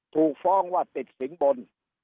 ถูกฟ้องว่าติดสินบน